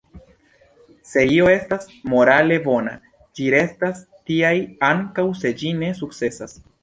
Se io estas morale bona, ĝi restas tia ankaŭ se ĝi ne sukcesas.